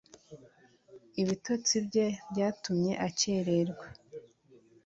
ibitotsi bye byatumye akerererwa